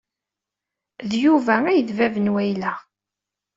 D Yuba ay d bab n wayla-a.